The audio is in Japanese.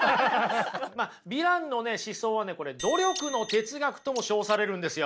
ビランのね思想はね努力の哲学とも称されるんですよ。